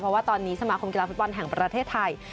เพราะว่าตอนนี้สมาคมกีฬาฟุตบอลแห่งประเทศไทย